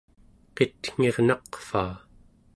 qitngirnaqvaa